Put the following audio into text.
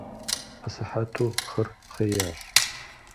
Асыхьэту хъыр хъеящ.